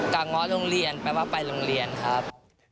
ง้อโรงเรียนแปลว่าไปโรงเรียนครับ